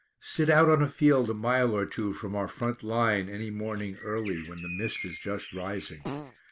Sit out on a field a mile or two from our front line any morning early, when the mist is just rising.